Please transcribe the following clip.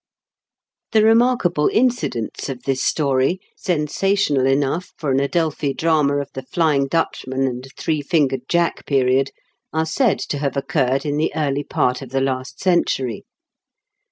The remarkable incidents of this story, sensational enough for an Adelphi drama of the "Flying Dutchman" and *' Three fingered Jack" period, are said to have occurred in the early part of the last century.